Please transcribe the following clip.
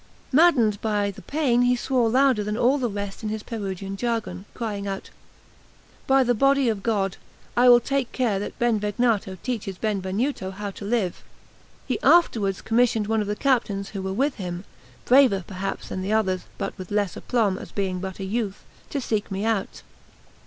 Maddened by the pain, he swore louder than all the rest in his Perugian jargon, crying out: "By the body of God, I will take care that Benvegnato teaches Benvenuto how to live." He afterwards commissioned one of the captains who were with him (braver perhaps than the others, but with less aplomb, as being but a youth) to seek me out.